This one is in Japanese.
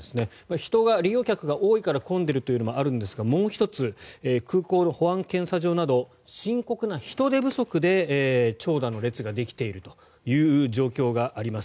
人が利用客が多いから混んでいるというのもあるんですがもう１つ、空港の保安検査場など深刻な人手不足で長蛇の列ができているという状況があります。